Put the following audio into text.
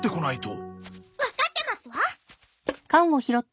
わかってますわ。